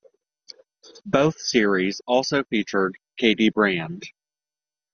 Both series also featured Katy Brand.